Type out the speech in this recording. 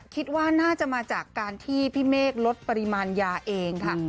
คิดว่าน่าจะมาจากการที่พี่เมฆลดปริมาณยาเองค่ะ